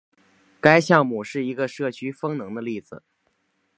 该项目是一个社区风能的例子。